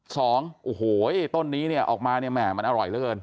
สองโอ้โหต้นนี้ออกมามันอร่อยเริ่ม